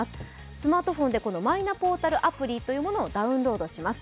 スマートフォンでマイナポータルアプリをダウンロードします。